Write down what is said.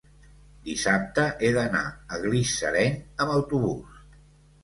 dissabte he d'anar a Gisclareny amb autobús.